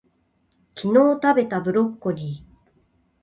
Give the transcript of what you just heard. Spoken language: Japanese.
昨日たべたブロッコリー